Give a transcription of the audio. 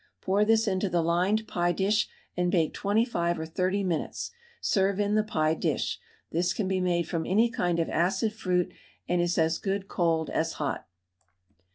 Pour this into the lined pie dish and bake 25 or 30 minutes; serve in the pie dish. This can be made from any kind of acid fruit, and is as good cold as hot.